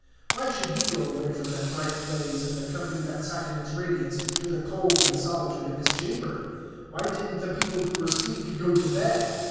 Why should he go away from that bright blaze, and the company that sat in its radiance, to the cold and solitude of his chamber? Why did n't the people who were sleepy go to bed?